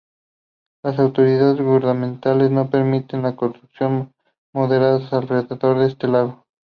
Las autoridades gubernamentales no permiten la construcción moderna alrededor de este lago.